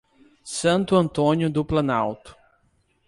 Santo Antônio do Planalto